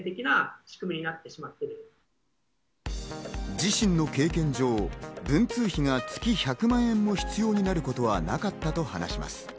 自身の経験上、文通費が月１００万円も必要になることはなかったと話します。